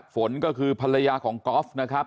ฝนก็คือภรรยาของกอล์ฟนะครับ